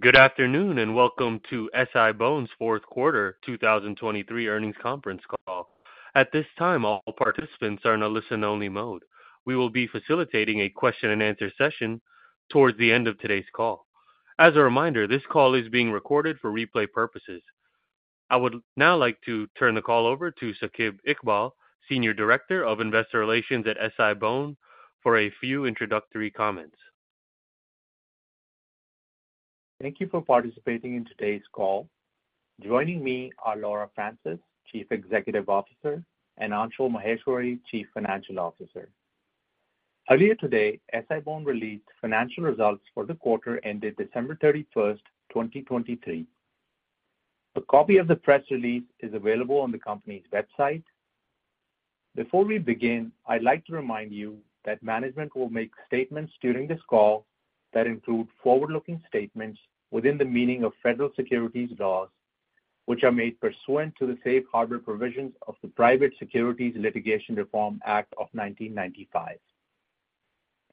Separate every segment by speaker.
Speaker 1: Good afternoon and welcome to SI-BONE's Fourth Quarter 2023 Earnings Conference Call. At this time, all participants are in a listen-only mode. We will be facilitating a question-and-answer session towards the end of today's call. As a reminder, this call is being recorded for replay purposes. I would now like to turn the call over to Saqib Iqbal, Senior Director of Investor Relations at SI-BONE, for a few introductory comments.
Speaker 2: Thank you for participating in today's call. Joining me are Laura Francis, Chief Executive Officer, and Anshul Maheshwari, Chief Financial Officer. Earlier today, SI-BONE released financial results for the quarter ended December 31, 2023. A copy of the press release is available on the company's website. Before we begin, I'd like to remind you that management will make statements during this call that include forward-looking statements within the meaning of federal securities laws, which are made pursuant to the Safe Harbor provisions of the Private Securities Litigation Reform Act of 1995.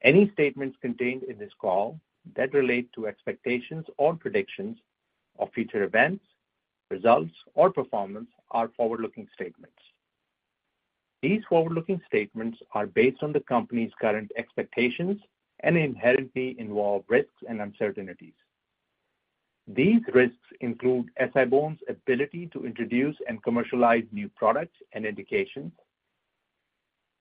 Speaker 2: Any statements contained in this call that relate to expectations or predictions of future events, results, or performance are forward-looking statements. These forward-looking statements are based on the company's current expectations and inherently involve risks and uncertainties. These risks include SI-BONE's ability to introduce and commercialize new products and indications,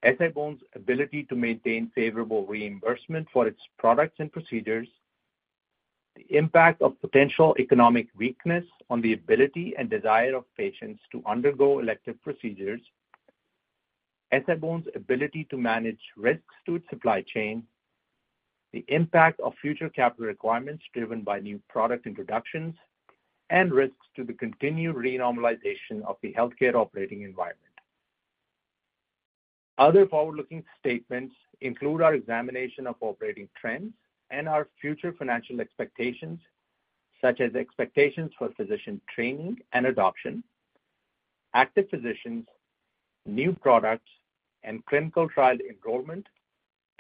Speaker 2: SI-BONE's ability to maintain favorable reimbursement for its products and procedures, the impact of potential economic weakness on the ability and desire of patients to undergo elective procedures, SI-BONE's ability to manage risks to its supply chain, the impact of future capital requirements driven by new product introductions, and risks to the continued renormalization of the healthcare operating environment. Other forward-looking statements include our examination of operating trends and our future financial expectations, such as expectations for physician training and adoption, active physicians, new products, and clinical trial enrollment,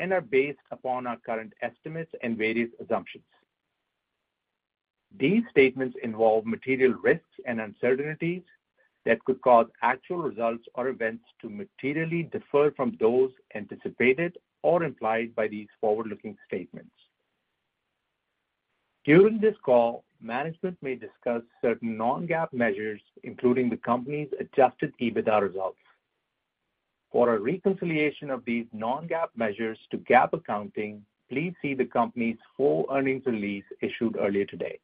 Speaker 2: and are based upon our current estimates and various assumptions. These statements involve material risks and uncertainties that could cause actual results or events to materially differ from those anticipated or implied by these forward-looking statements. During this call, management may discuss certain non-GAAP measures, including the company's Adjusted EBITDA results. For a reconciliation of these non-GAAP measures to GAAP accounting, please see the company's full earnings release issued earlier today.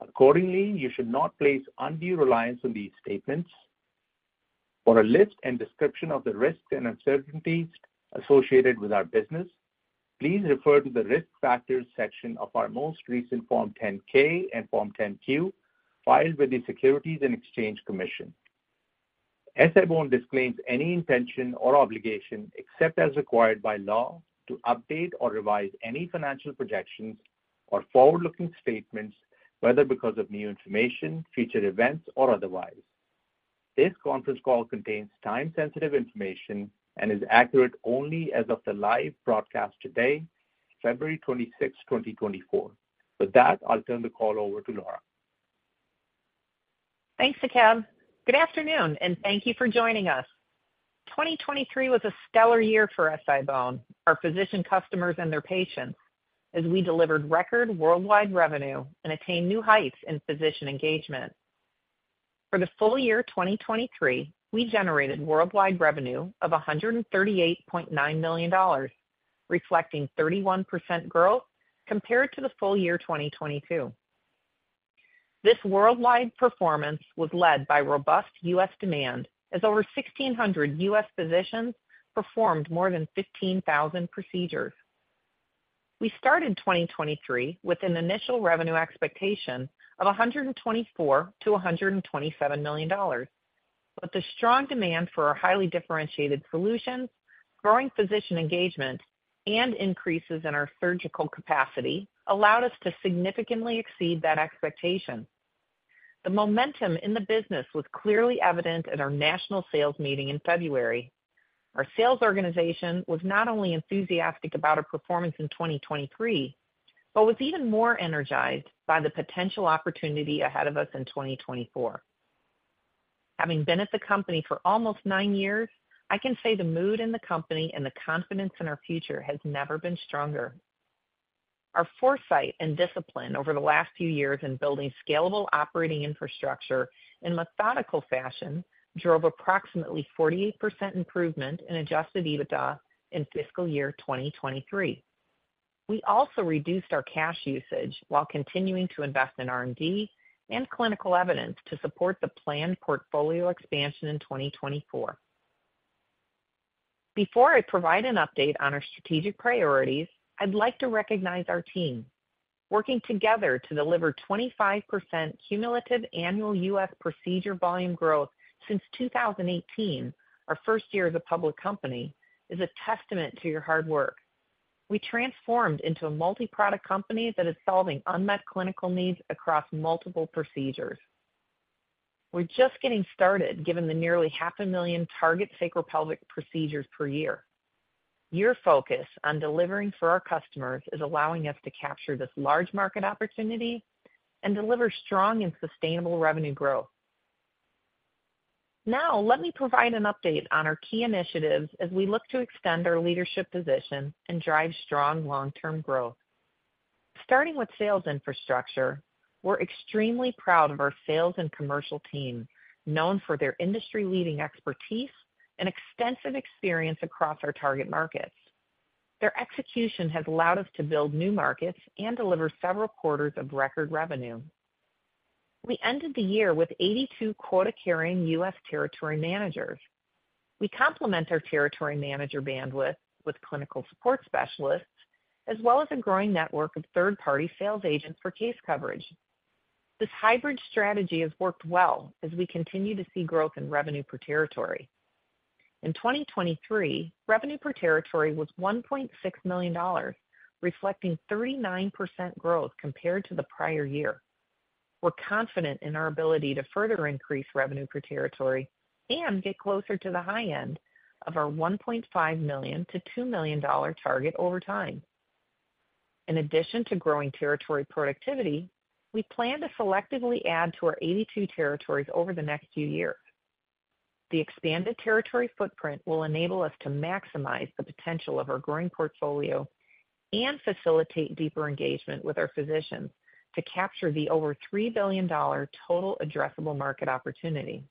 Speaker 2: Accordingly, you should not place undue reliance on these statements. For a list and description of the risks and uncertainties associated with our business, please refer to the risk factors section of our most recent Form 10-K and Form 10-Q filed with the Securities and Exchange Commission. SI-BONE disclaims any intention or obligation, except as required by law, to update or revise any financial projections or forward-looking statements, whether because of new information, future events, or otherwise. This conference call contains time-sensitive information and is accurate only as of the live broadcast today, February 26, 2024. With that, I'll turn the call over to Laura.
Speaker 3: Thanks, Iqbal. Good afternoon, and thank you for joining us. 2023 was a stellar year for SI-BONE, our physician customers and their patients, as we delivered record worldwide revenue and attained new heights in physician engagement. For the full year 2023, we generated worldwide revenue of $138.9 million, reflecting 31% growth compared to the full year 2022. This worldwide performance was led by robust U.S. demand, as over 1,600 U.S. physicians performed more than 15,000 procedures. We started 2023 with an initial revenue expectation of $124-$127 million, but the strong demand for our highly differentiated solutions, growing physician engagement, and increases in our surgical capacity allowed us to significantly exceed that expectation. The momentum in the business was clearly evident at our national sales meeting in February. Our sales organization was not only enthusiastic about our performance in 2023 but was even more energized by the potential opportunity ahead of us in 2024. Having been at the company for almost nine years, I can say the mood in the company and the confidence in our future has never been stronger. Our foresight and discipline over the last few years in building scalable operating infrastructure in methodical fashion drove approximately 48% improvement in Adjusted EBITDA in fiscal year 2023. We also reduced our cash usage while continuing to invest in R&D and clinical evidence to support the planned portfolio expansion in 2024. Before I provide an update on our strategic priorities, I'd like to recognize our team. Working together to deliver 25% cumulative annual U.S. procedure volume growth since 2018, our first year as a public company, is a testament to your hard work. We transformed into a multi-product company that is solving unmet clinical needs across multiple procedures. We're just getting started given the nearly 500,000 target sacropelvic procedures per year. Your focus on delivering for our customers is allowing us to capture this large market opportunity and deliver strong and sustainable revenue growth. Now, let me provide an update on our key initiatives as we look to extend our leadership position and drive strong long-term growth. Starting with sales infrastructure, we're extremely proud of our sales and commercial team, known for their industry-leading expertise and extensive experience across our target markets. Their execution has allowed us to build new markets and deliver several quarters of record revenue. We ended the year with 82 quota-carrying U.S. territory managers. We complement our territory manager bandwidth with clinical support specialists as well as a growing network of third-party sales agents for case coverage. This hybrid strategy has worked well as we continue to see growth in revenue per territory. In 2023, revenue per territory was $1.6 million, reflecting 39% growth compared to the prior year. We're confident in our ability to further increase revenue per territory and get closer to the high end of our $1.5 million-$2 million target over time. In addition to growing territory productivity, we plan to selectively add to our 82 territories over the next few years. The expanded territory footprint will enable us to maximize the potential of our growing portfolio and facilitate deeper engagement with our physicians to capture the over $3 billion total addressable market opportunity.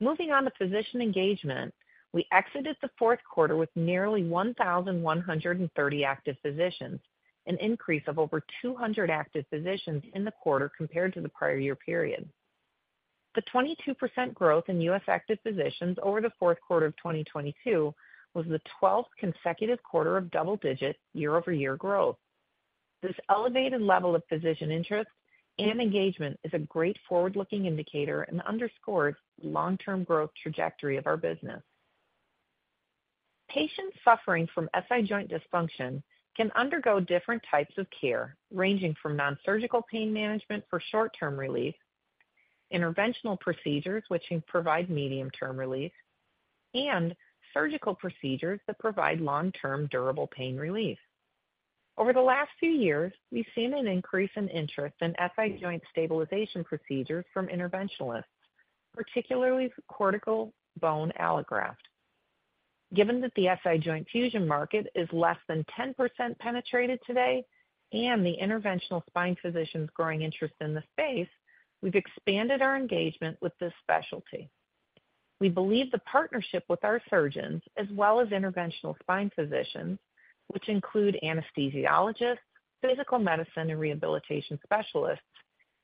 Speaker 3: Moving on to physician engagement, we exited the fourth quarter with nearly 1,130 active physicians, an increase of over 200 active physicians in the quarter compared to the prior year period. The 22% growth in U.S. Active physicians over the fourth quarter of 2022 was the 12th consecutive quarter of double-digit year-over-year growth. This elevated level of physician interest and engagement is a great forward-looking indicator and underscores the long-term growth trajectory of our business. Patients suffering from SI joint dysfunction can undergo different types of care, ranging from nonsurgical pain management for short-term relief, interventional procedures which provide medium-term relief, and surgical procedures that provide long-term durable pain relief. Over the last few years, we've seen an increase in interest in SI joint stabilization procedures from interventionalists, particularly cortical bone allograft. Given that the SI joint fusion market is less than 10% penetrated today and the interventional spine physicians' growing interest in the space, we've expanded our engagement with this specialty. We believe the partnership with our surgeons, as well as interventional spine physicians, which include anesthesiologists, physical medicine and rehabilitation specialists,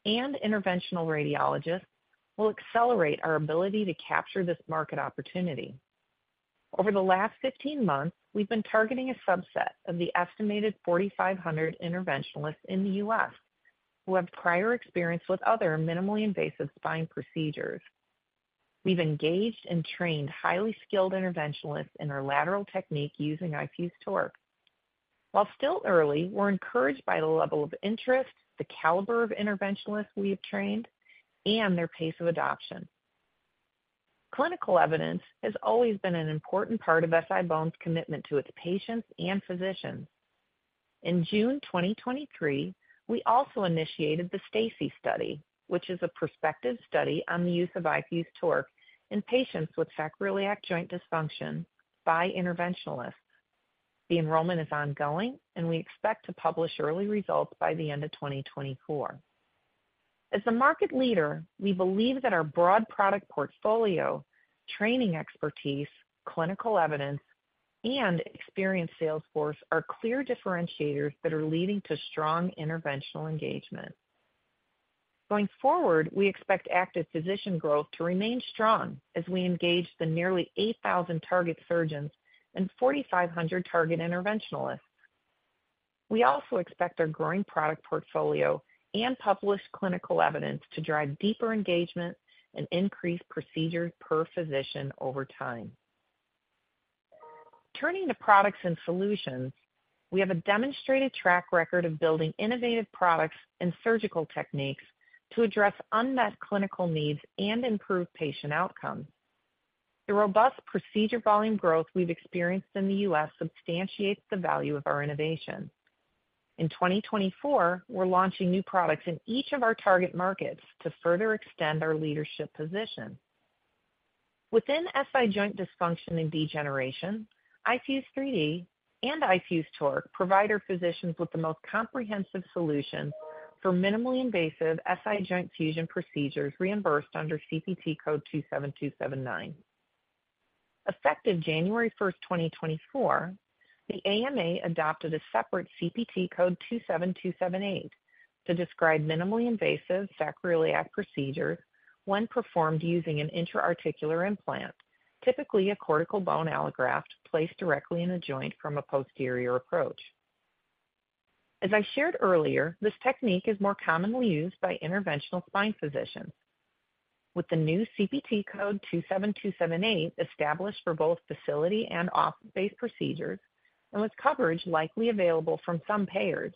Speaker 3: and interventional radiologists, will accelerate our ability to capture this market opportunity. Over the last 15 months, we've been targeting a subset of the estimated 4,500 interventionalists in the U.S. who have prior experience with other minimally invasive spine procedures. We've engaged and trained highly skilled interventionalists in our lateral technique using iFuse-TORQ. While still early, we're encouraged by the level of interest, the caliber of interventionalists we have trained, and their pace of adoption. Clinical evidence has always been an important part of SI-BONE's commitment to its patients and physicians. In June 2023, we also initiated the STACI Study, which is a prospective study on the use of iFuse-TORQ in patients with sacroiliac joint dysfunction by interventionalists. The enrollment is ongoing, and we expect to publish early results by the end of 2024. As a market leader, we believe that our broad product portfolio, training expertise, clinical evidence, and experienced salesforce are clear differentiators that are leading to strong interventional engagement. Going forward, we expect active physician growth to remain strong as we engage the nearly 8,000 target surgeons and 4,500 target interventionalists. We also expect our growing product portfolio and published clinical evidence to drive deeper engagement and increase procedures per physician over time. Turning to products and solutions, we have a demonstrated track record of building innovative products and surgical techniques to address unmet clinical needs and improve patient outcomes. The robust procedure volume growth we've experienced in the U.S. substantiates the value of our innovation. In 2024, we're launching new products in each of our target markets to further extend our leadership position. Within SI joint dysfunction and degeneration, iFuse-3D and iFuse-TORQ provide our physicians with the most comprehensive solutions for minimally invasive SI joint fusion procedures reimbursed under CPT Code 27279. Effective January 1, 2024, the AMA adopted a separate CPT Code 27278 to describe minimally invasive sacroiliac procedures when performed using an intra-articular implant, typically a cortical bone allograft placed directly in the joint from a posterior approach. As I shared earlier, this technique is more commonly used by interventional spine physicians. With the new CPT Code 27278 established for both facility and office-based procedures and with coverage likely available from some payers,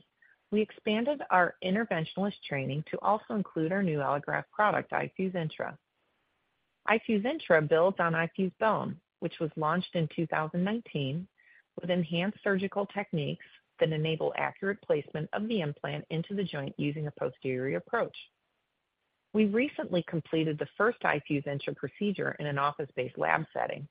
Speaker 3: we expanded our interventionalist training to also include our new allograft product, iFuse INTRA. iFuse INTRA builds on iFuse Bedrock, which was launched in 2019 with enhanced surgical techniques that enable accurate placement of the implant into the joint using a posterior approach. We recently completed the first iFuse INTRA procedure in an office-based lab setting.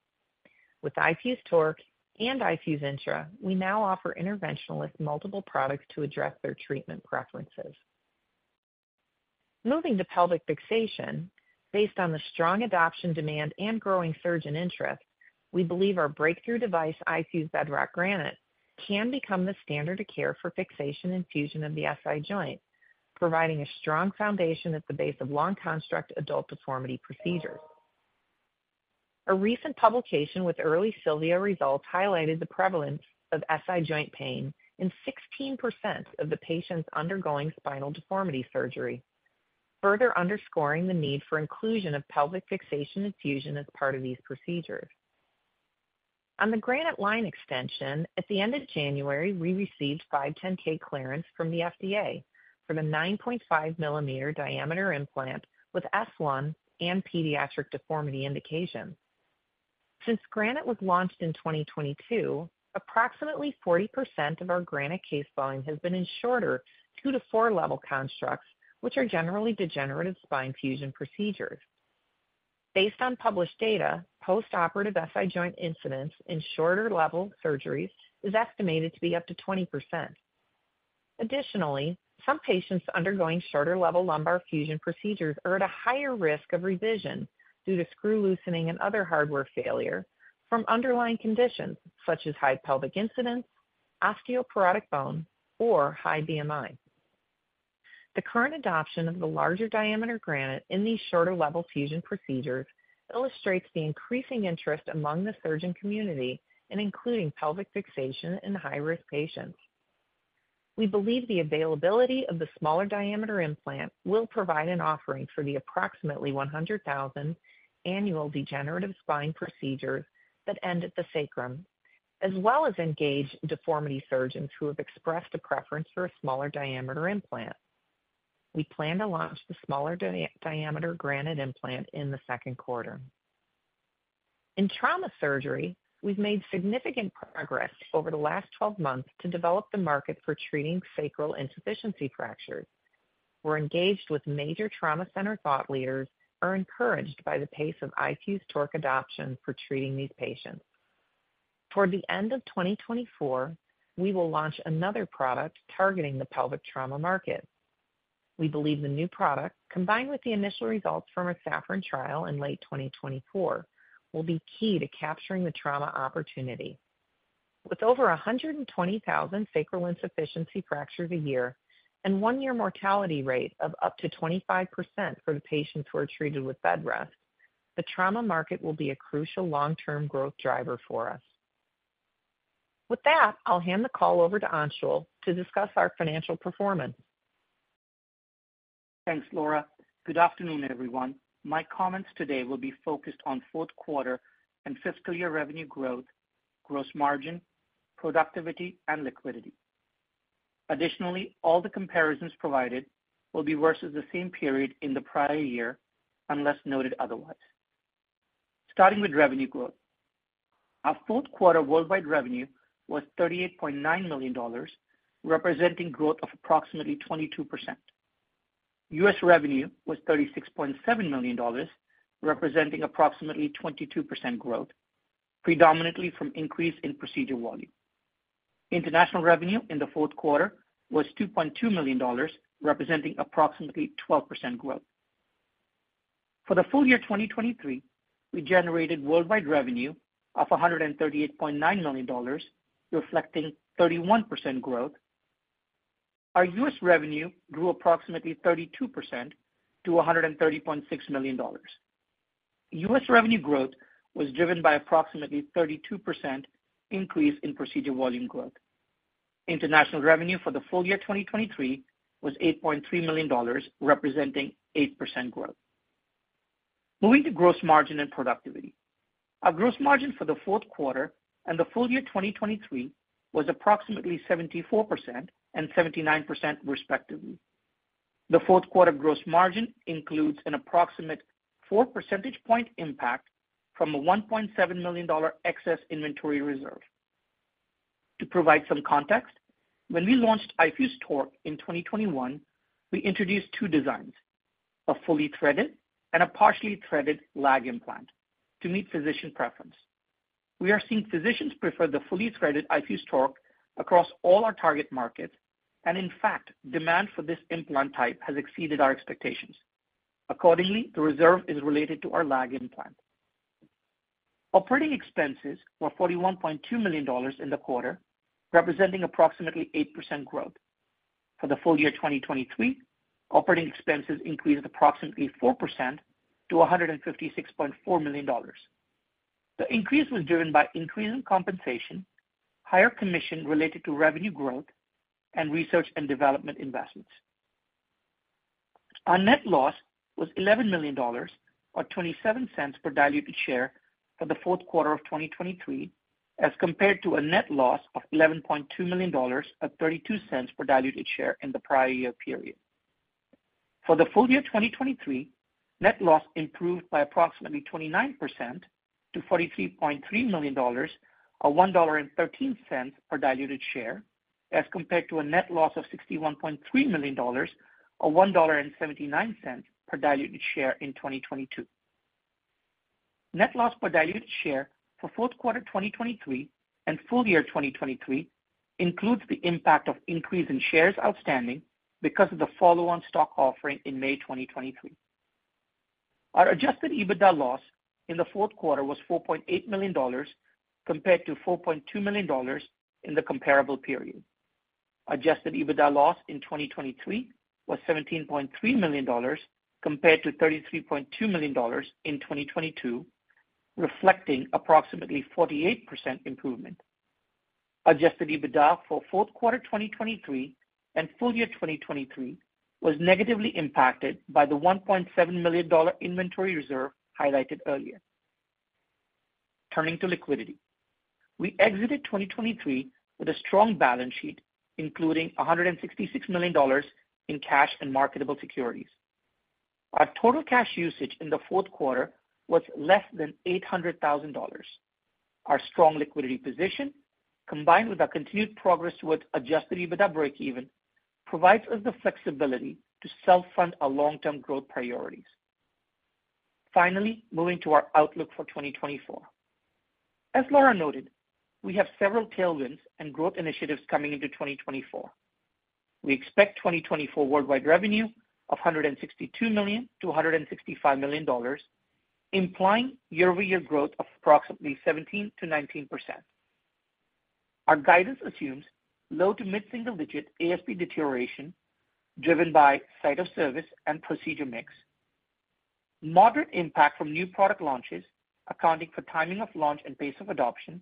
Speaker 3: With iFuse-TORQ and iFuse INTRA, we now offer interventionalists multiple products to address their treatment preferences. Moving to pelvic fixation, based on the strong adoption demand and growing surgeon interest, we believe our breakthrough device, iFuse Bedrock Granite, can become the standard of care for fixation and fusion of the SI joint, providing a strong foundation at the base of long-construct adult deformity procedures. A recent publication with early SILVIA results highlighted the prevalence of SI joint pain in 16% of the patients undergoing spinal deformity surgery, further underscoring the need for inclusion of pelvic fixation and fusion as part of these procedures. On the Granite line extension, at the end of January, we received 510(k) clearance from the FDA for the 9.5 mm diameter implant with S1 and pediatric deformity indication. Since Granite was launched in 2022, approximately 40% of our Granite case volume has been in shorter 2-to-4-level constructs, which are generally degenerative spine fusion procedures. Based on published data, post-operative SI joint incidents in shorter-level surgeries are estimated to be up to 20%. Additionally, some patients undergoing shorter-level lumbar fusion procedures are at a higher risk of revision due to screw loosening and other hardware failure from underlying conditions such as high pelvic incidence, osteoporotic bone, or high BMI. The current adoption of the larger diameter Granite in these shorter-level fusion procedures illustrates the increasing interest among the surgeon community in including pelvic fixation in high-risk patients. We believe the availability of the smaller diameter implant will provide an offering for the approximately 100,000 annual degenerative spine procedures that end at the sacrum, as well as engage deformity surgeons who have expressed a preference for a smaller diameter implant. We plan to launch the smaller diameter Granite implant in the second quarter. In trauma surgery, we've made significant progress over the last 12 months to develop the market for treating sacral insufficiency fractures. We're engaged with major trauma center thought leaders and are encouraged by the pace of iFuse-TORQ adoption for treating these patients. Toward the end of 2024, we will launch another product targeting the pelvic trauma market. We believe the new product, combined with the initial results from our SAFFRON trial in late 2024, will be key to capturing the trauma opportunity. With over 120,000 sacral insufficiency fractures a year and one-year mortality rate of up to 25% for the patients who are treated with bedrest, the trauma market will be a crucial long-term growth driver for us. With that, I'll hand the call over to Anshul to discuss our financial performance.
Speaker 4: Thanks, Laura. Good afternoon, everyone. My comments today will be focused on fourth quarter and fiscal year revenue growth, gross margin, productivity, and liquidity. Additionally, all the comparisons provided will be versus the same period in the prior year unless noted otherwise. Starting with revenue growth, our fourth quarter worldwide revenue was $38.9 million, representing growth of approximately 22%. U.S. revenue was $36.7 million, representing approximately 22% growth, predominantly from increase in procedure volume. International revenue in the fourth quarter was $2.2 million, representing approximately 12% growth. For the full year 2023, we generated worldwide revenue of $138.9 million, reflecting 31% growth. Our U.S. revenue grew approximately 32% to $130.6 million. U.S. revenue growth was driven by approximately 32% increase in procedure volume growth. International revenue for the full year 2023 was $8.3 million, representing 8% growth. Moving to gross margin and productivity, our gross margin for the fourth quarter and the full year 2023 was approximately 74% and 79%, respectively. The fourth quarter gross margin includes an approximate 4 percentage point impact from a $1.7 million excess inventory reserve. To provide some context, when we launched iFuse-TORQ in 2021, we introduced two designs: a fully threaded and a partially threaded lag implant to meet physician preference. We are seeing physicians prefer the fully threaded iFuse-TORQ across all our target markets, and in fact, demand for this implant type has exceeded our expectations. Accordingly, the reserve is related to our lag implant. Operating expenses were $41.2 million in the quarter, representing approximately 8% growth. For the full year 2023, operating expenses increased approximately 4% to $156.4 million. The increase was driven by increase in compensation, higher commission related to revenue growth, and research and development investments. Our net loss was $11 million or $0.27 per diluted share for the fourth quarter of 2023, as compared to a net loss of $11.2 million or $0.32 per diluted share in the prior year period. For the full year 2023, net loss improved by approximately 29% to $43.3 million or $1.13 per diluted share, as compared to a net loss of $61.3 million or $1.79 per diluted share in 2022. Net loss per diluted share for fourth quarter 2023 and full year 2023 includes the impact of increase in shares outstanding because of the follow-on stock offering in May 2023. Our Adjusted EBITDA loss in the fourth quarter was $4.8 million compared to $4.2 million in the comparable period. Adjusted EBITDA loss in 2023 was $17.3 million compared to $33.2 million in 2022, reflecting approximately 48% improvement. Adjusted EBITDA for fourth quarter 2023 and full year 2023 was negatively impacted by the $1.7 million inventory reserve highlighted earlier. Turning to liquidity, we exited 2023 with a strong balance sheet, including $166 million in cash and marketable securities. Our total cash usage in the fourth quarter was less than $800,000. Our strong liquidity position, combined with our continued progress towards adjusted EBITDA breakeven, provides us the flexibility to self-fund our long-term growth priorities. Finally, moving to our outlook for 2024, as Laura noted, we have several tailwinds and growth initiatives coming into 2024. We expect 2024 worldwide revenue of $162 million-$165 million, implying year-over-year growth of approximately 17%-19%. Our guidance assumes low to mid-single-digit ASP deterioration, driven by site-of-service and procedure mix, moderate impact from new product launches, accounting for timing of launch and pace of adoption,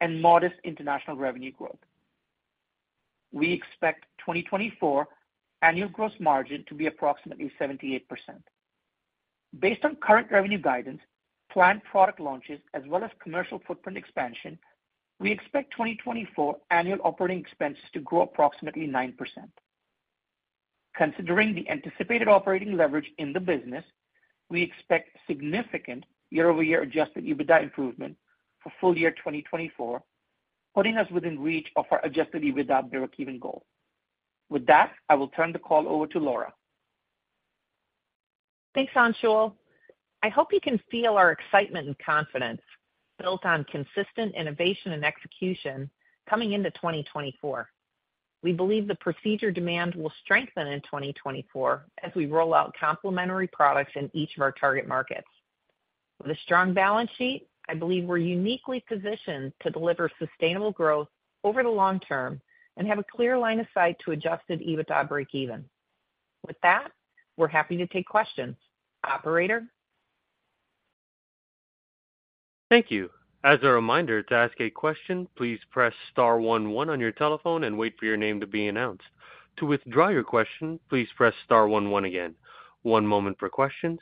Speaker 4: and modest international revenue growth. We expect 2024 annual gross margin to be approximately 78%. Based on current revenue guidance, planned product launches, as well as commercial footprint expansion, we expect 2024 annual operating expenses to grow approximately 9%. Considering the anticipated operating leverage in the business, we expect significant year-over-year Adjusted EBITDA improvement for full year 2024, putting us within reach of our Adjusted EBITDA breakeven goal. With that, I will turn the call over to Laura.
Speaker 3: Thanks, Anshul. I hope you can feel our excitement and confidence built on consistent innovation and execution coming into 2024. We believe the procedure demand will strengthen in 2024 as we roll out complementary products in each of our target markets. With a strong balance sheet, I believe we're uniquely positioned to deliver sustainable growth over the long term and have a clear line of sight to Adjusted EBITDA breakeven. With that, we're happy to take questions. Operator.
Speaker 1: Thank you. As a reminder, to ask a question, please press star one one on your telephone and wait for your name to be announced. To withdraw your question, please press star one one again. One moment for questions.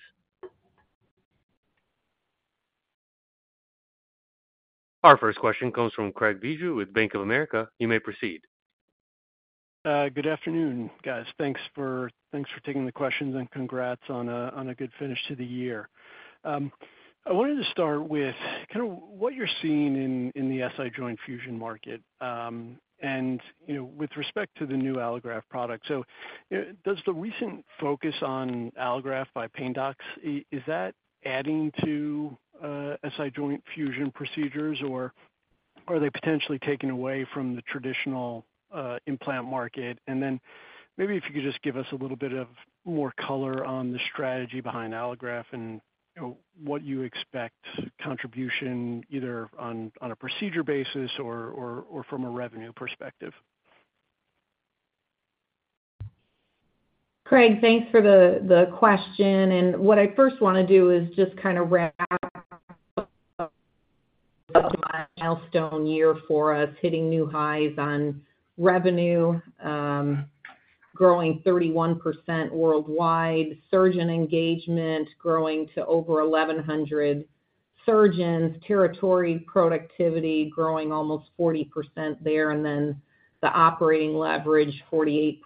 Speaker 1: Our first question comes from Craig Bijou with Bank of America. You may proceed.
Speaker 5: Good afternoon, guys. Thanks for taking the questions and congrats on a good finish to the year. I wanted to start with kind of what you're seeing in the SI joint fusion market and with respect to the new allograft product. Does the recent focus on allograft by pain docs add to SI joint fusion procedures, or are they potentially taking away from the traditional implant market? And then maybe if you could just give us a little bit more color on the strategy behind allograft and what you expect contribution, either on a procedure basis or from a revenue perspective.
Speaker 3: Craig, thanks for the question. What I first want to do is just kind of wrap up my milestone year for us, hitting new highs on revenue, growing 31% worldwide, surgeon engagement growing to over 1,100 surgeons, territory productivity growing almost 40% there, and then the operating leverage, 48%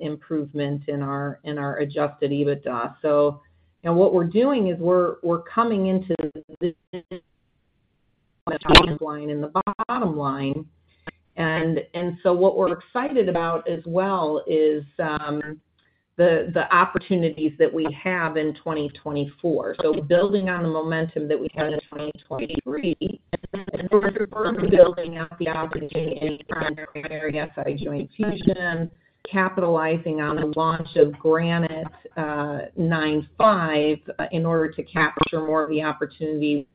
Speaker 3: improvement in our Adjusted EBITDA. So what we're doing is we're coming into the top line and the bottom line. What we're excited about as well is the opportunities that we have in 2024. So building on the momentum that we had in 2023, and then in order to further build out the opportunity in primary SI joint fusion, capitalizing on the launch of Granite 9.5 in order to capture more of the opportunity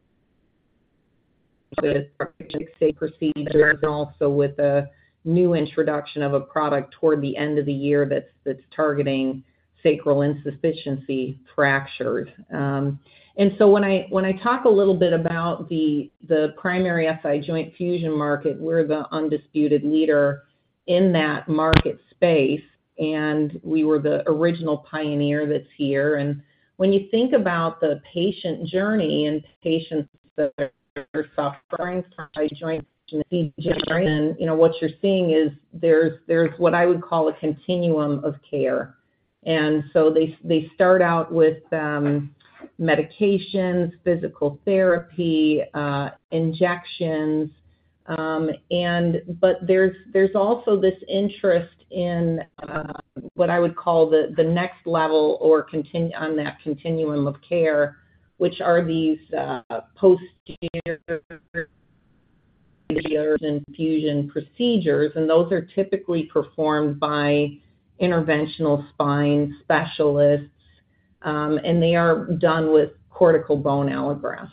Speaker 3: with procedures and also with the new introduction of a product toward the end of the year that's targeting sacral insufficiency fractures. And so when I talk a little bit about the primary SI joint fusion market, we're the undisputed leader in that market space, and we were the original pioneer that's here. And when you think about the patient journey and patients that are suffering from SI joint fusion, what you're seeing is there's what I would call a continuum of care. And so they start out with medications, physical therapy, injections, but there's also this interest in what I would call the next level or on that continuum of care, which are these post-surgery fusion procedures. And those are typically performed by interventional spine specialists, and they are done with cortical bone allograft.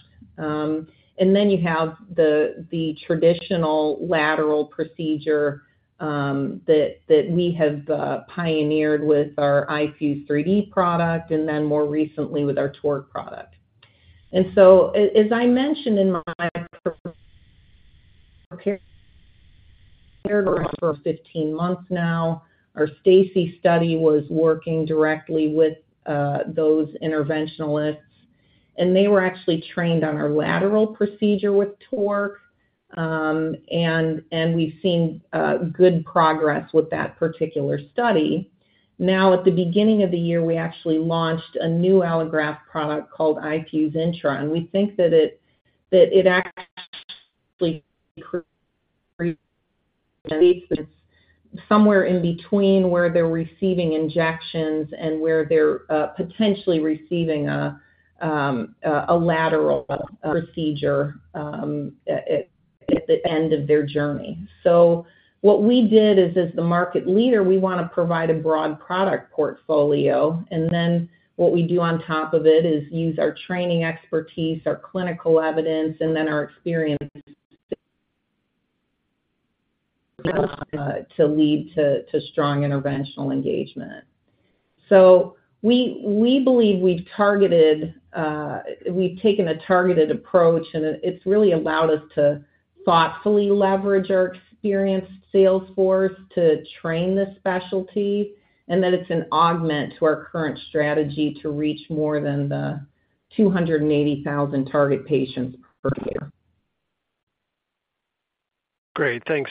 Speaker 3: And then you have the traditional lateral procedure that we have pioneered with our iFuse-3D product and then more recently with our iFuse-TORQ product. And so, as I mentioned in my 15 months now, our STACI Study was working directly with those interventionalists, and they were actually trained on our lateral procedure with iFuse-TORQ, and we've seen good progress with that particular study. Now, at the beginning of the year, we actually launched a new allograft product called iFuse INTRA, and we think that it actually creates somewhere in between where they're receiving injections and where they're potentially receiving a lateral procedure at the end of their journey. So what we did is, as the market leader, we want to provide a broad product portfolio, and then what we do on top of it is use our training expertise, our clinical evidence, and then our experience to lead to strong interventional engagement. So we believe we've taken a targeted approach, and it's really allowed us to thoughtfully leverage our experienced salesforce to train this specialty and that it's an augment to our current strategy to reach more than the 280,000 target patients per year.
Speaker 5: Great. Thanks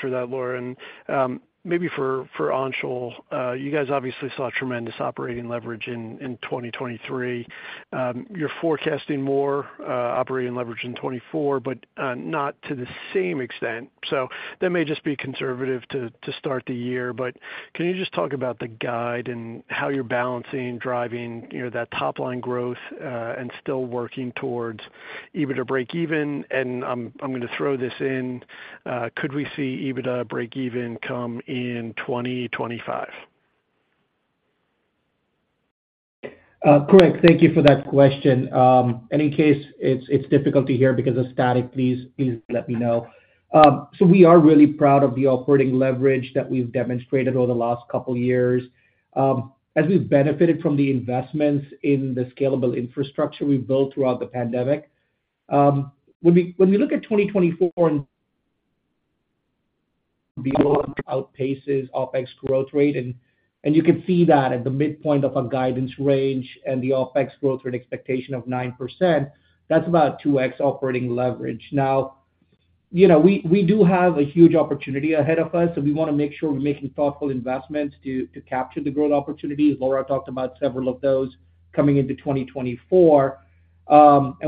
Speaker 5: for that, Laura. And maybe for Anshul, you guys obviously saw tremendous operating leverage in 2023. You're forecasting more operating leverage in 2024, but not to the same extent. So that may just be conservative to start the year. But can you just talk about the guide and how you're balancing, driving that top-line growth, and still working towards EBITDA breakeven? And I'm going to throw this in: could we see EBITDA breakeven come in 2025?
Speaker 4: Correct. Thank you for that question. In any case, it's difficult to hear because of static. Please let me know. So we are really proud of the operating leverage that we've demonstrated over the last couple of years. As we've benefited from the investments in the scalable infrastructure we built throughout the pandemic, when we look at 2024 and outpaces OpEx growth rate, and you can see that at the midpoint of our guidance range and the OpEx growth rate expectation of 9%, that's about 2x operating leverage. Now, we do have a huge opportunity ahead of us, so we want to make sure we're making thoughtful investments to capture the growth opportunities. Laura talked about several of those coming into 2024.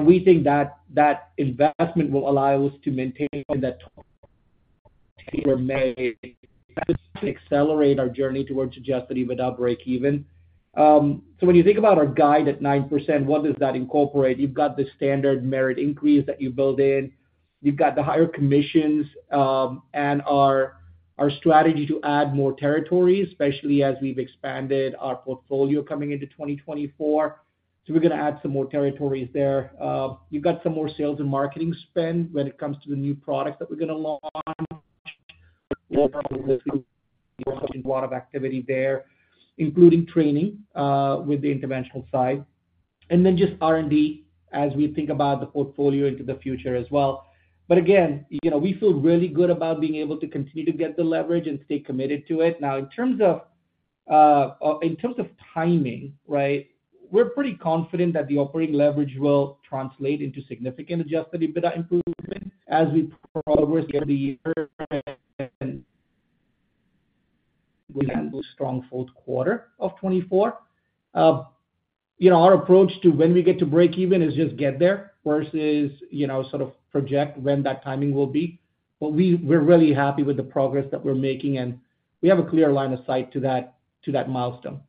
Speaker 4: We think that investment will allow us to maintain that accelerate our journey towards Adjusted EBITDA breakeven. So when you think about our guide at 9%, what does that incorporate? You've got the standard merit increase that you build in. You've got the higher commissions and our strategy to add more territories, especially as we've expanded our portfolio coming into 2024. So we're going to add some more territories there. You've got some more sales and marketing spend when it comes to the new products that we're going to launch. We're probably going to see a lot of activity there, including training with the interventional side, and then just R&D as we think about the portfolio into the future as well. But again, we feel really good about being able to continue to get the leverage and stay committed to it. Now, in terms of timing, right, we're pretty confident that the operating leverage will translate into significant Adjusted EBITDA improvement as we progress through the year and we handle strong fourth quarter of 2024. Our approach to when we get to breakeven is just get there versus sort of project when that timing will be. But we're really happy with the progress that we're making, and we have a clear line of sight to that milestone.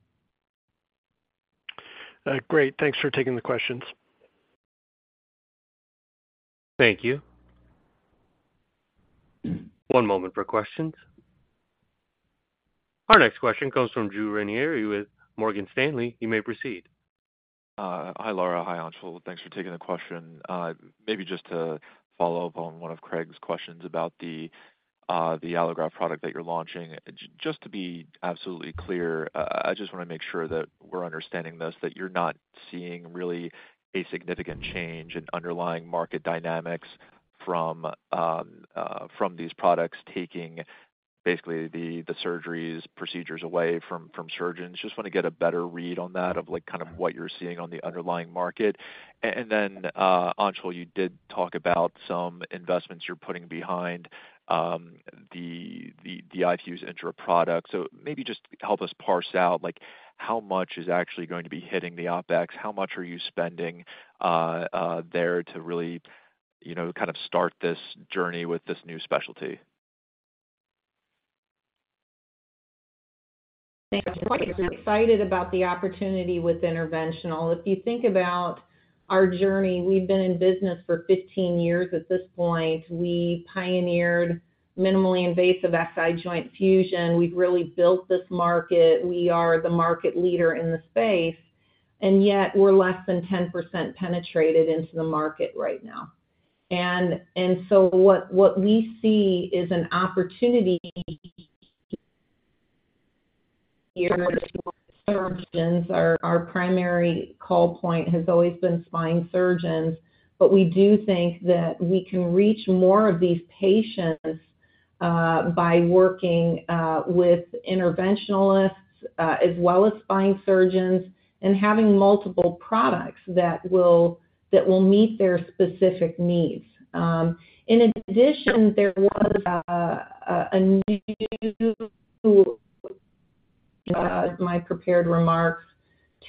Speaker 5: Great. Thanks for taking the questions.
Speaker 1: Thank you. One moment for questions. Our next question comes from Drew Ranieri with Morgan Stanley. You may proceed.
Speaker 6: Hi, Laura. Hi, Anshul. Thanks for taking the question. Maybe just to follow up on one of Craig's questions about the allograft product that you're launching, just to be absolutely clear, I just want to make sure that we're understanding this, that you're not seeing really a significant change in underlying market dynamics from these products taking basically the surgeries, procedures away from surgeons. Just want to get a better read on that of kind of what you're seeing on the underlying market. And then, Anshul, you did talk about some investments you're putting behind the iFuse INTRA product. So maybe just help us parse out how much is actually going to be hitting the OpEx? How much are you spending there to really kind of start this journey with this new specialty?
Speaker 3: Thanks for the question. I'm excited about the opportunity with interventional. If you think about our journey, we've been in business for 15 years. At this point, we pioneered minimally invasive SI joint fusion. We've really built this market. We are the market leader in the space. And yet, we're less than 10% penetrated into the market right now. And so what we see is an opportunity here for surgeons. Our primary call point has always been spine surgeons. But we do think that we can reach more of these patients by working with interventionalists as well as spine surgeons and having multiple products that will meet their specific needs. In addition, there was a new, my prepared remarks,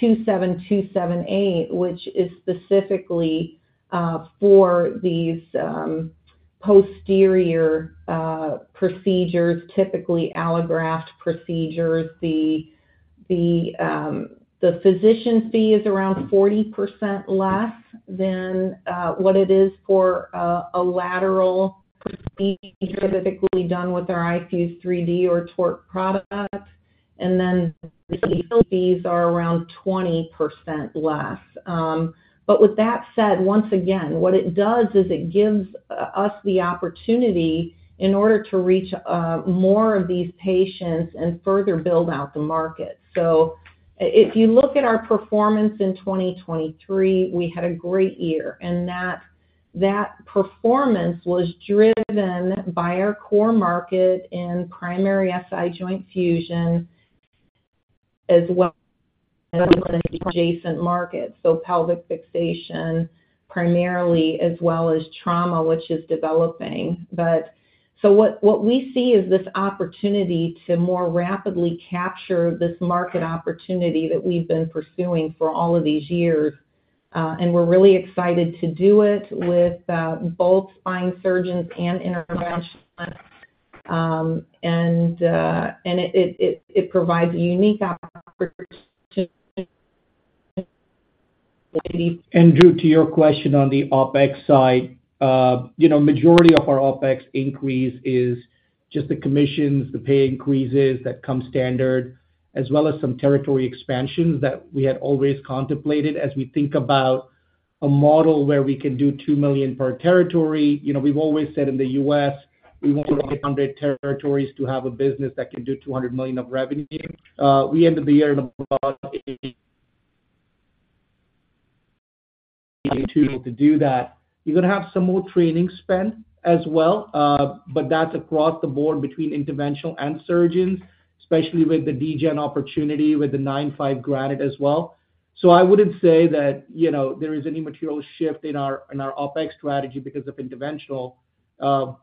Speaker 3: 27278, which is specifically for these posterior procedures, typically allograft procedures. The physician fee is around 40% less than what it is for a lateral procedure typically done with our iFuse-3D or iFuse-TORQ product. And then the fees are around 20% less. But with that said, once again, what it does is it gives us the opportunity in order to reach more of these patients and further build out the market. So if you look at our performance in 2023, we had a great year, and that performance was driven by our core market in primary SI joint fusion as well as adjacent markets, so pelvic fixation primarily, as well as trauma, which is developing. So what we see is this opportunity to more rapidly capture this market opportunity that we've been pursuing for all of these years. And we're really excited to do it with both spine surgeons and interventionalists. And it provides a unique opportunity.
Speaker 4: Drew, to your question on the OpEx side, majority of our OpEx increase is just the commissions, the pay increases that come standard, as well as some territory expansions that we had always contemplated. As we think about a model where we can do $2 million per territory, we've always said in the U.S., we want to have 100 territories to have a business that can do $200 million of revenue. We ended the year in a position to do that. You're going to have some more training spend as well, but that's across the board between interventional and surgeons, especially with the DeGen opportunity with the 9.5 Granite as well. So I wouldn't say that there is any material shift in our OpEx strategy because of interventional.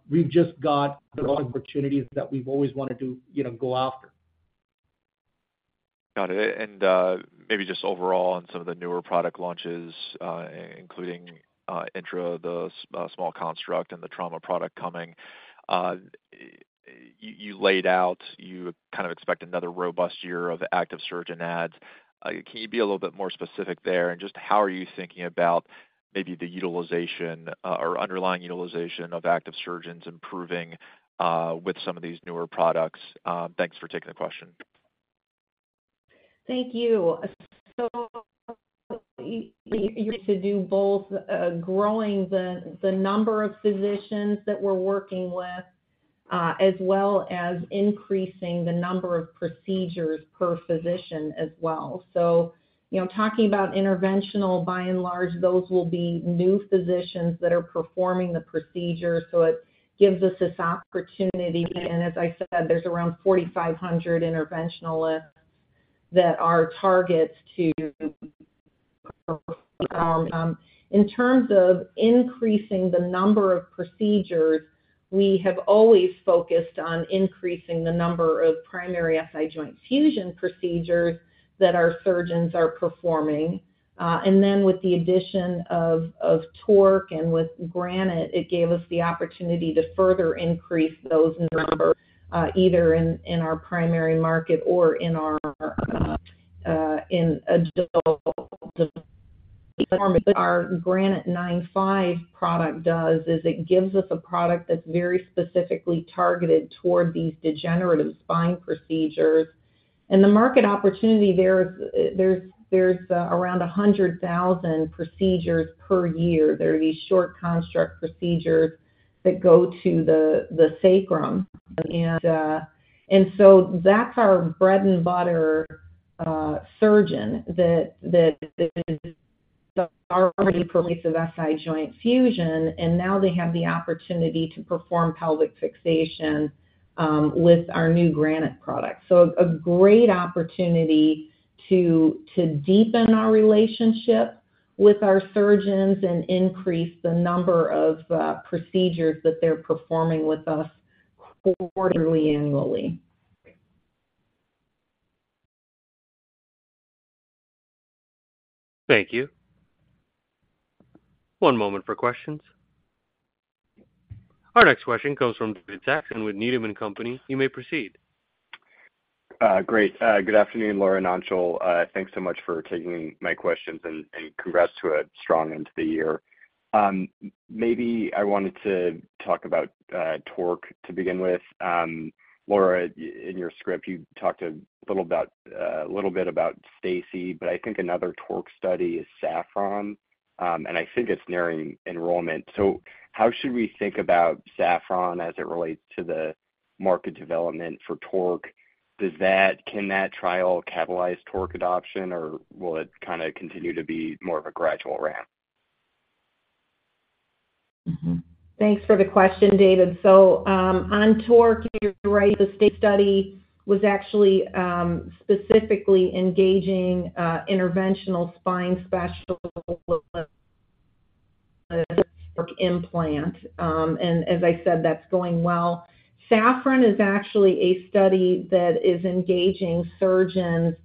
Speaker 4: We've just got opportunities that we've always wanted to go after.
Speaker 6: Got it. And maybe just overall on some of the newer product launches, including intra, the small construct, and the trauma product coming, you laid out you kind of expect another robust year of active surgeon adds. Can you be a little bit more specific there? And just how are you thinking about maybe the utilization or underlying utilization of active surgeons improving with some of these newer products? Thanks for taking the question.
Speaker 3: Thank you. So you need to do both growing the number of physicians that we're working with as well as increasing the number of procedures per physician as well. So talking about interventional, by and large, those will be new physicians that are performing the procedure. So it gives us this opportunity. And as I said, there's around 4,500 interventionalists that are targets to perform. In terms of increasing the number of procedures, we have always focused on increasing the number of primary SI joint fusion procedures that our surgeons are performing. Then with the addition of TORQ and with Granite, it gave us the opportunity to further increase those numbers either in our primary market or in adult. What our Granite 9.5 product does is it gives us a product that's very specifically targeted toward these degenerative spine procedures. The market opportunity there, there's around 100,000 procedures per year. There are these short construct procedures that go to the sacrum. So that's our bread and butter surgeon that is already performing SI joint fusion, and now they have the opportunity to perform pelvic fixation with our new Granite product. So a great opportunity to deepen our relationship with our surgeons and increase the number of procedures that they're performing with us quarterly, annually.
Speaker 1: Thank you. One moment for questions. Our next question comes from David Saxon with Needham & Company. You may proceed. Great. Good afternoon, Laura, and Anshul. Thanks so much for taking my questions, and congrats to a strong end to the year. Maybe I wanted to talk about TORQ to begin with. Laura, in your script, you talked a little bit about STACI, but I think another TORQ study is SAFRON, and I think it's narrowing enrollment. So how should we think about SAFRON as it relates to the market development for TORQ? Can that trial catalyze TORG adoption, or will it kind of continue to be more of a gradual ramp? Thanks for the question.
Speaker 3: David. So on TORG, you're right. The study was actually specifically engaging interventional spine specialists. As I said, that's going well. SAFFRON is actually a study that is engaging surgeons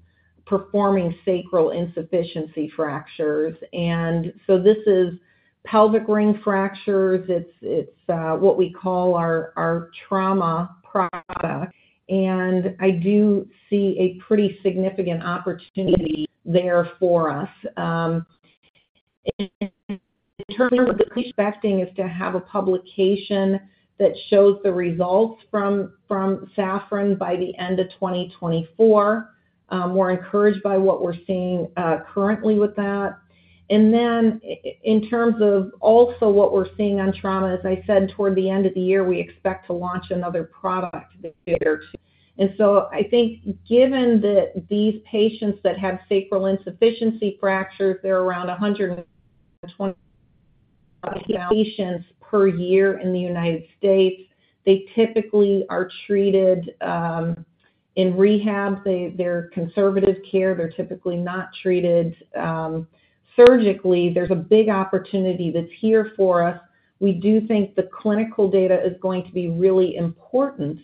Speaker 3: performing sacral insufficiency fractures. So this is pelvic ring fractures. It's what we call our trauma product. I do see a pretty significant opportunity there for us. In terms of expecting, is to have a publication that shows the results from SAFFRON by the end of 2024. We're encouraged by what we're seeing currently with that. Then in terms of also what we're seeing on trauma, as I said, toward the end of the year, we expect to launch another product there. So I think given that these patients that have sacral insufficiency fractures, they're around 120 patients per year in the United States. They typically are treated in rehab. They're conservative care. They're typically not treated surgically. There's a big opportunity that's here for us. We do think the clinical data is going to be really important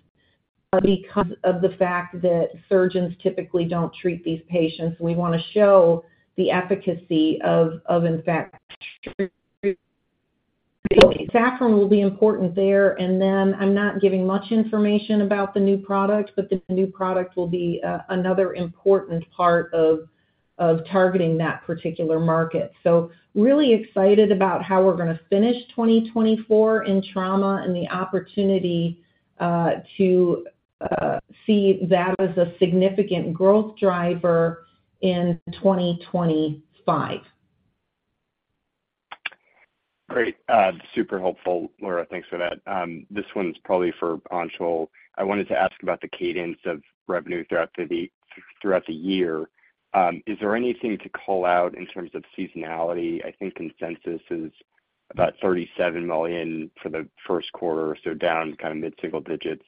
Speaker 3: because of the fact that surgeons typically don't treat these patients. We want to show the efficacy of, in fact, treating. SAFFRON will be important there. And then I'm not giving much information about the new product, but the new product will be another important part of targeting that particular market. So really excited about how we're going to finish 2024 in trauma and the opportunity to see that as a significant growth driver in 2025.
Speaker 7: Great. Super helpful, Laura. Thanks for that. This one's probably for Anshul. I wanted to ask about the cadence of revenue throughout the year. Is there anything to call out in terms of seasonality? I think consensus is about $37 million for the first quarter, so down kind of mid-single digits.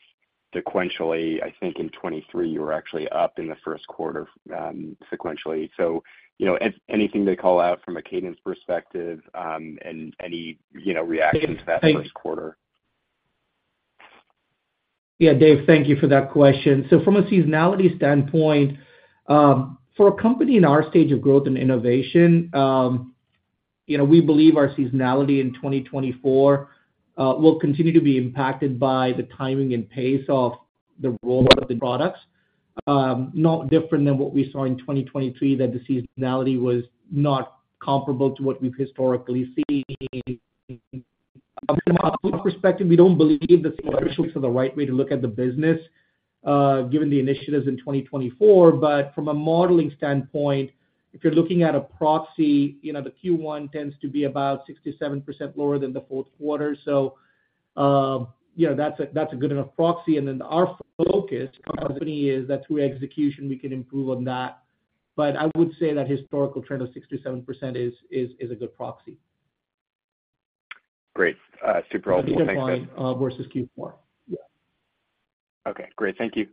Speaker 7: Sequentially, I think in 2023, you were actually up in the first quarter sequentially. So anything to call out from a cadence perspective and any reaction to that first quarter?
Speaker 4: Yeah, Dave, thank you for that question. So from a seasonality standpoint, for a company in our stage of growth and innovation, we believe our seasonality in 2024 will continue to be impacted by the timing and pace of the roll-out of the products, not different than what we saw in 2023, that the seasonality was not comparable to what we've historically seen. From a perspective, we don't believe the seasonality is the right way to look at the business given the initiatives in 2024. But from a modeling standpoint, if you're looking at a proxy, the Q1 tends to be about 6% -7% lower than the fourth quarter. So that's a good enough proxy. And then our focus company is that through execution, we can improve on that. But I would say that historical trend of 6%-7% is a good proxy.
Speaker 7: Great. Super helpful.
Speaker 4: Thanks, Dave. Q1 versus Q4. Yeah.
Speaker 7: Okay. Great. Thank you.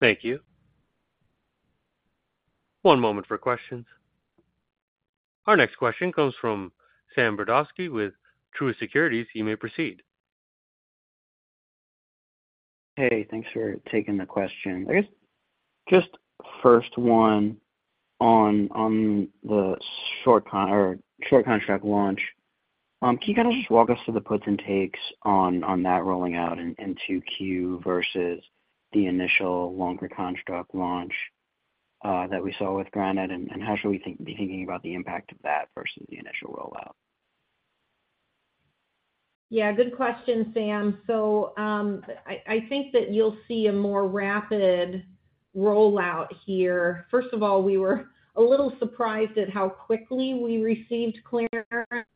Speaker 1: Thank you. One moment for questions. Our next question comes from Sam Brodowski with Truist Securities. You may proceed.
Speaker 8: Hey, thanks for taking the question. I guess just first one on the short construct launch. Can you kind of just walk us through the puts and takes on that rolling out into Q versus the initial longer construct launch that we saw with Granite, and how should we be thinking about the impact of that versus the initial rollout?
Speaker 3: Yeah, good question, Sam. So I think that you'll see a more rapid rollout here. First of all, we were a little surprised at how quickly we received clearance.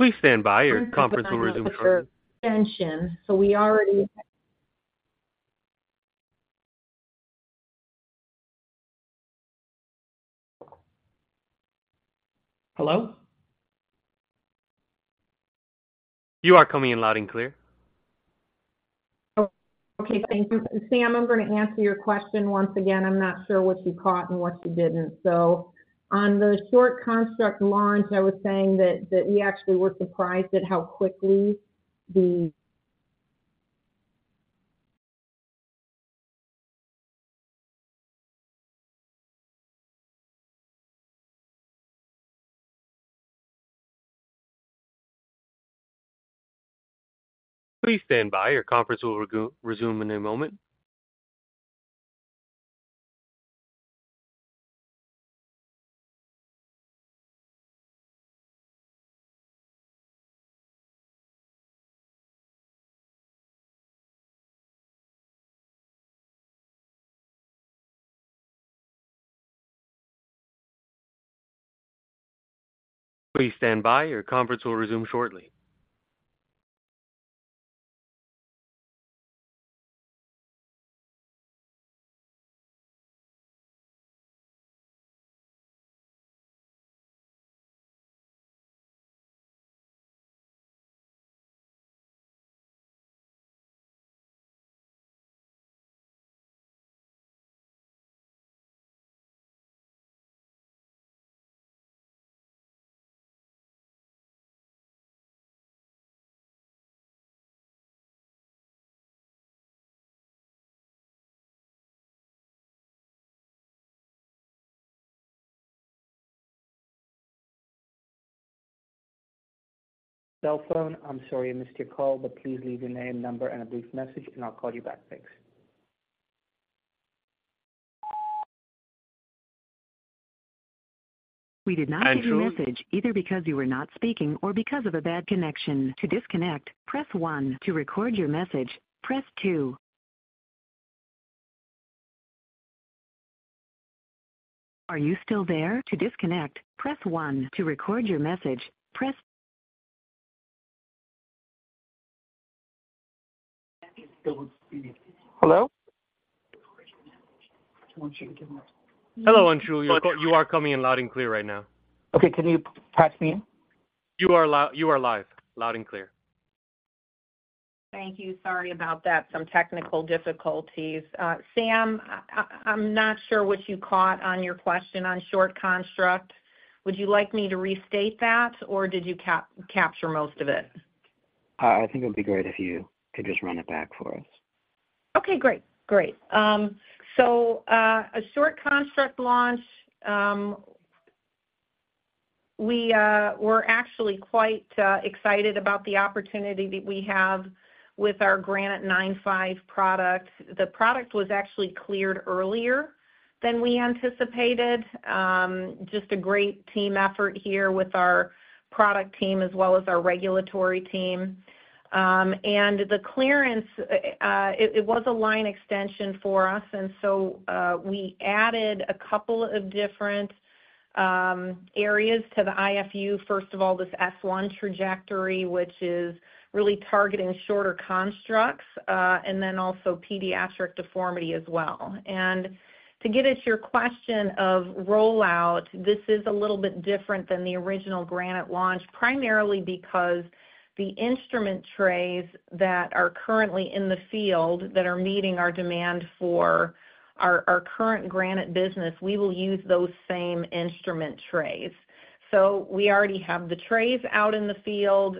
Speaker 1: Please stand by. Your conference will resume shortly.
Speaker 3: Extension. So we already had.
Speaker 1: Hello? You are coming in loud and clear.
Speaker 3: Okay. Thank you. Sam, I'm going to answer your question once again. I'm not sure what you caught and what you didn't. So on the short construct launch, I was saying that we actually were surprised at how quickly the.
Speaker 1: Please stand by. Your conference will resume in a moment. Please stand by. Your conference will resume shortly. Hello? Hello, Anshul. You are coming in loud and clear right now. Okay. Can you patch me in? You are live. Loud and clear.
Speaker 3: Thank you. Sorry about that. Some technical difficulties. Sam, I'm not sure what you caught on your question on short construct. Would you like me to restate that, or did you capture most of it?
Speaker 8: I think it would be great if you could just run it back for us.
Speaker 3: Okay. Great. Great. So a short construct launch. We were actually quite excited about the opportunity that we have with our Granite 9.5 product. The product was actually cleared earlier than we anticipated. Just a great team effort here with our product team as well as our regulatory team. And the clearance, it was a line extension for us. And so we added a couple of different areas to the IFU. First of all, this S1 trajectory, which is really targeting shorter constructs and then also pediatric deformity as well. To get at your question of rollout, this is a little bit different than the original Granite launch, primarily because the instrument trays that are currently in the field that are meeting our demand for our current Granite business, we will use those same instrument trays. So we already have the trays out in the field.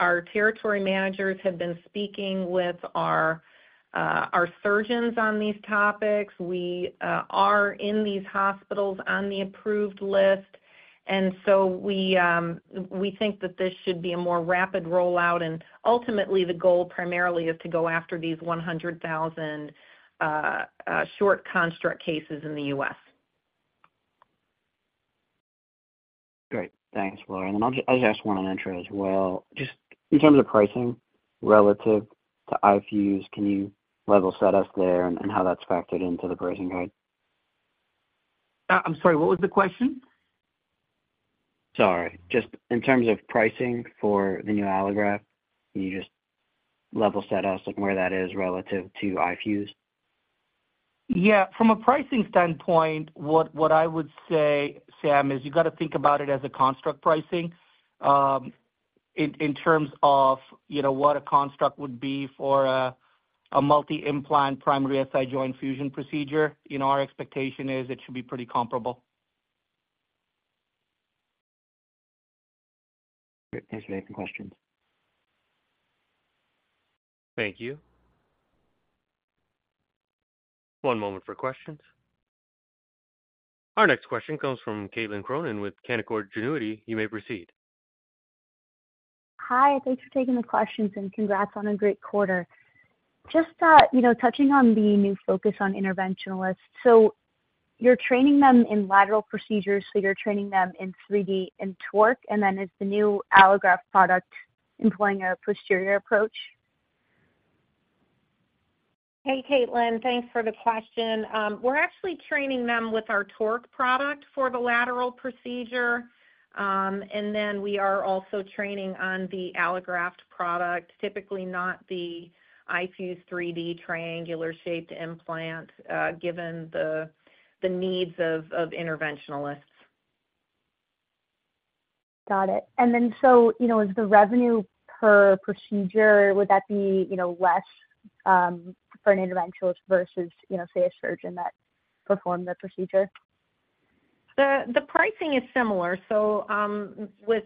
Speaker 3: Our territory managers have been speaking with our surgeons on these topics. We are in these hospitals on the approved list. And so we think that this should be a more rapid rollout. And ultimately, the goal primarily is to go after these 100,000 short construct cases in the U.S. Great.
Speaker 8: Thanks, Laura. And then I'll just ask one INTRA as well. Just in terms of pricing relative to iFuse, can you level set us there and how that's factored into the pricing guide?
Speaker 4: I'm sorry. What was the question?
Speaker 8: Sorry. Just in terms of pricing for the new allograft, can you just level set us where that is relative to iFuse?
Speaker 4: Yeah. From a pricing standpoint, what I would say, Sam, is you got to think about it as a construct pricing in terms of what a construct would be for a multi-implant primary SI joint fusion procedure. Our expectation is it should be pretty comparable.
Speaker 8: Great. Thanks for the open questions.
Speaker 4: Thank you.
Speaker 1: One moment for questions. Our next question comes from Caitlin Cronin with Canaccord Genuity. You may proceed.
Speaker 9: Hi. Thanks for taking the questions, and congrats on a great quarter. Just touching on the new focus on interventionalists. So you're training them in lateral procedures. So you're training them in 3D and TORQ. And then is the new allograft product employing a posterior approach?
Speaker 3: Hey, Caitlin. Thanks for the question. We're actually training them with our TORQ product for the lateral procedure. And then we are also training on the allograft product, typically not the IFU's 3D triangular-shaped implant given the needs of interventionalists.
Speaker 9: Got it. And then so is the revenue per procedure, would that be less for an interventionalist versus, say, a surgeon that performed the procedure?
Speaker 3: The pricing is similar. So with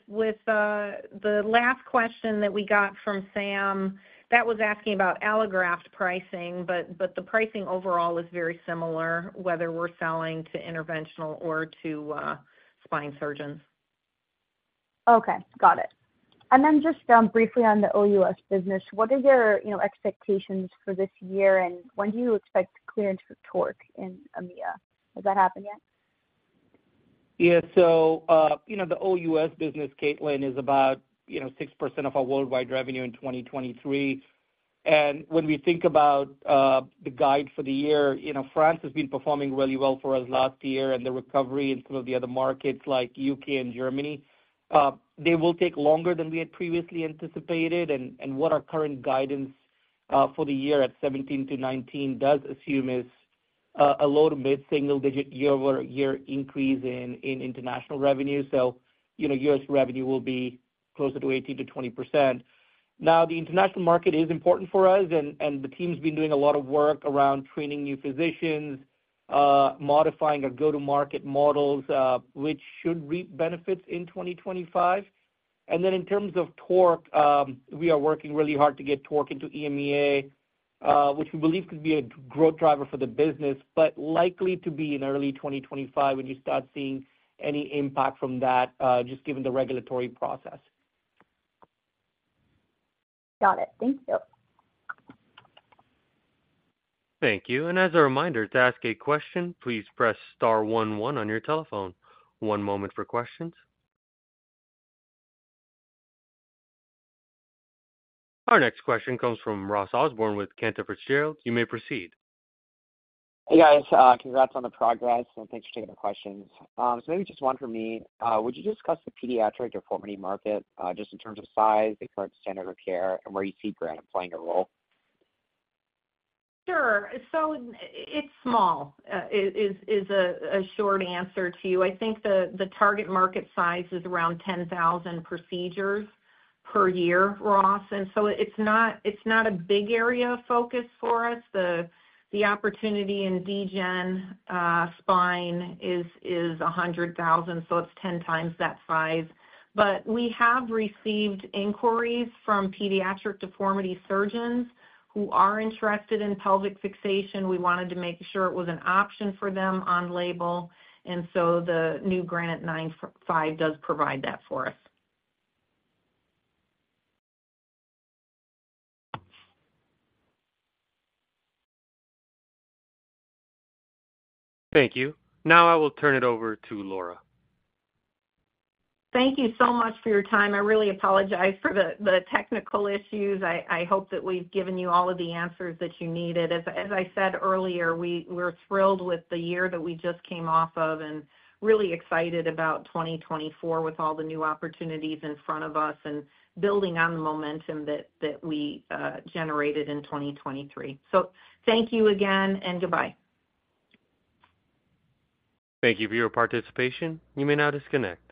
Speaker 3: the last question that we got from Sam, that was asking about allograft pricing, but the pricing overall is very similar whether we're selling to interventional or to spine surgeons.
Speaker 9: Okay. Got it. And then just briefly on the OUS business, what are your expectations for this year, and when do you expect clearance for TORQ in EMEA?
Speaker 4: Has that happened yet? Yeah. So the OUS business, Caitlin, is about 6% of our worldwide revenue in 2023. And when we think about the guide for the year, France has been performing really well for us last year, and the recovery in some of the other markets like U.K. and Germany, they will take longer than we had previously anticipated. And what our current guidance for the year at 17%-19% does assume is a low to mid-single-digit year-over-year increase in international revenue. So U.S. revenue will be closer to 18%-20%. Now, the international market is important for us, and the team's been doing a lot of work around training new physicians, modifying our go-to-market models, which should reap benefits in 2025. And then in terms of TORQ, we are working really hard to get TORQ into EMEA, which we believe could be a growth driver for the business but likely to be in early 2025 when you start seeing any impact from that just given the regulatory process.
Speaker 9: Got it. Thank you.
Speaker 1: Thank you. And as a reminder, to ask a question, please press star one one on your telephone. One moment for questions. Our next question comes from Ross Osborn with Cantor Fitzgerald. You may proceed.
Speaker 10: Hey, guys. Congrats on the progress, and thanks for taking the questions. So maybe just one from me. Would you discuss the pediatric deformity market just in terms of size, the current standard of care, and where you see Granite playing a role?
Speaker 3: Sure. So it's small is a short answer to you. I think the target market size is around 10,000 procedures per year, Ross. So it's not a big area of focus for us. The opportunity in DeGEN spine is 100,000, so it's 10 times that size. But we have received inquiries from pediatric deformity surgeons who are interested in pelvic fixation. We wanted to make sure it was an option for them on label. So the new Granite 9.5 does provide that for us.
Speaker 1: Thank you. Now I will turn it over to Laura. Thank you so much for your time. I really apologize for the technical issues. I hope that we've given you all of the answers that you needed.
Speaker 3: As I said earlier, we're thrilled with the year that we just came off of and really excited about 2024 with all the new opportunities in front of us and building on the momentum that we generated in 2023. Thank you again, and goodbye.
Speaker 1: Thank you for your participation. You may now disconnect.